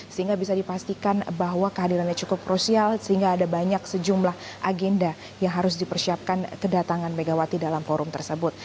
sehingga bisa dipastikan bahwa kehadirannya cukup krusial sehingga ada banyak sejumlah agenda yang harus dipersiapkan kedatangan megawati dalam forum tersebut